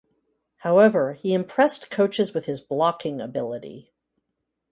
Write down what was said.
However, he impressed coaches with his blocking ability.